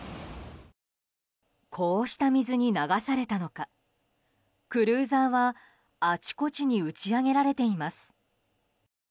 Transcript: こうした水に流されたのかクルーザーはあちこちに打ち上げられています。